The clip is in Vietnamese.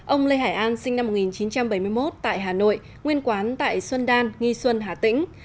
ông lê hải an sinh năm một nghìn chín trăm bảy mươi một tại hà nội nguyên quán tại xuân đan nghi xuân hà tĩnh